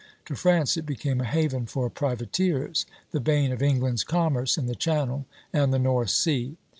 To France it became a haven for privateers, the bane of England's commerce in the Channel and the North Sea.